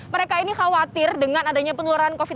mereka ini khawatir dengan adanya penularan covid sembilan belas